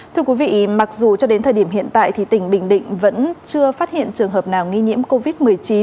thưa quý vị mặc dù cho đến thời điểm hiện tại thì tỉnh bình định vẫn chưa phát hiện trường hợp nào nghi nhiễm covid một mươi chín